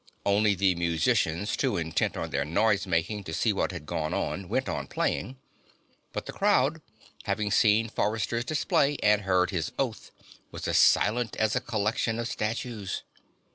Only the musicians, too intent on their noisemaking to see what had gone on, went on playing. But the crowd, having seen Forrester's display and heard his oath, was as silent as a collection of statues.